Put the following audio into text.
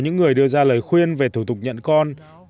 những người đưa ra lời khuyên về thủ tục nhận con